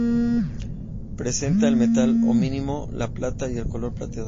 Representa al metal homónimo, la plata, y al color plateado.